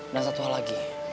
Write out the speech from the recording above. dan satu hal lagi